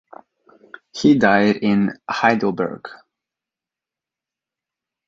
He died in Heidelberg.